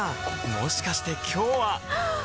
もしかして今日ははっ！